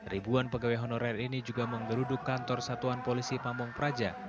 ribuan pegawai honorer ini juga menggeruduk kantor satuan polisi pamung praja